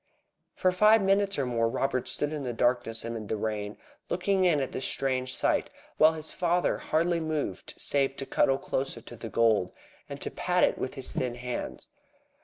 For five minutes or more Robert stood in the darkness amid the rain, looking in at this strange sight, while his father hardly moved save to cuddle closer to the gold, and to pat it with his thin hands.